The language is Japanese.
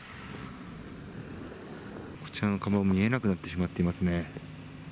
こちらの看板、見えなくなってしまっていますね。